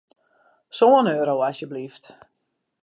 Sân euro, asjeblyft.